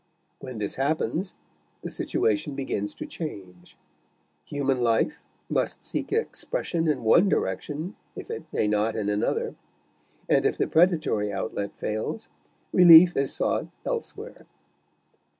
When this happens, the situation begins to change. Human life must seek expression in one direction if it may not in another; and if the predatory outlet fails, relief is sought elsewhere.